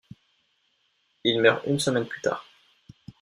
Il meurt une semaine plus tard.